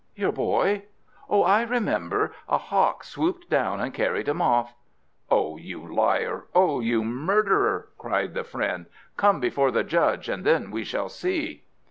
"Your boy? Oh, I remember a hawk swooped down and carried him off." "Oh, you liar! oh, you murderer!" said the friend. "Come before the judge, and then we shall see."